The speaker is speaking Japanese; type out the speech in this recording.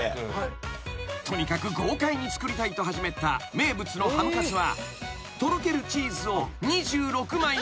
［とにかく豪快に作りたいと始めた名物のハムカツはとろける］